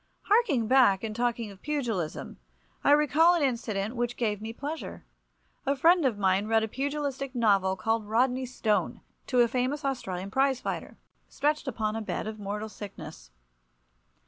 Harking back and talking of pugilism, I recall an incident which gave me pleasure. A friend of mine read a pugilistic novel called "Rodney Stone" to a famous Australian prize fighter, stretched upon a bed of mortal sickness.